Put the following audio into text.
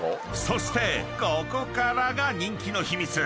［そしてここからが人気の秘密］